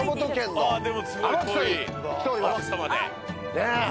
ねえ。